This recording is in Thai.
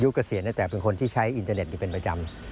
เกษียณแต่เป็นคนที่ใช้อินเทอร์เน็ตอยู่เป็นประจำ